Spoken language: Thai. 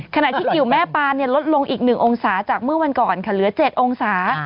ขณะที่กิวแม่ปานลดลงอีก๑องศาจากเมื่อวันก่อนค่ะเหลือ๗องศา